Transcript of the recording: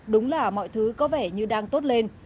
đúng là mọi thứ có vẻ như đang tốt lên